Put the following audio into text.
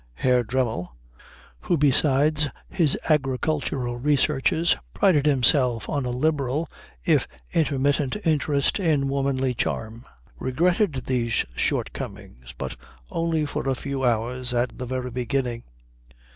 Herr Dremmel, who besides his agricultural researches prided himself on a liberal if intermittent interest in womanly charm, regretted these shortcomings, but only for a few hours at the very beginning.